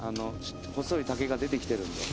細い竹が出てきてるんで。